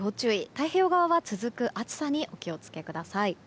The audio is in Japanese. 太平洋側は続く暑さにお気を付けください。